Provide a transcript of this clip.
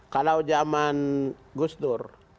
kalau zaman gus dur